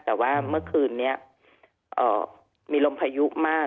แต่ว่าเมื่อคืนนี้มีลมพายุมาก